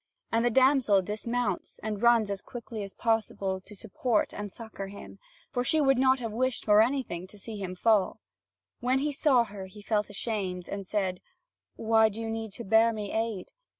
And the damsel dismounts, and runs as quickly as possible to support and succour him; for she would not have wished for anything to see him fall. When he saw her, he felt ashamed, and said: "Why do you need to bear me aid?"